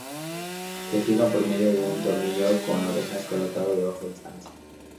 Se fija por medio de un tornillo con orejas colocado debajo de esta mesa.